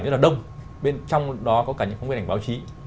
rất là đông bên trong đó có cả những phóng viên ảnh báo chí